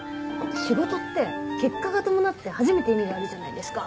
仕事って結果が伴って初めて意味があるじゃないですか。